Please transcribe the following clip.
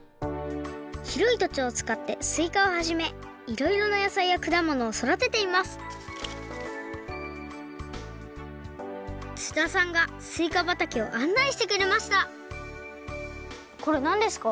ひろいとちをつかってすいかをはじめいろいろなやさいやくだものをそだてています津田さんがすいかばたけをあんないしてくれましたこれなんですか？